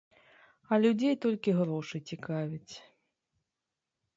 А людзей толькі грошы цікавяць.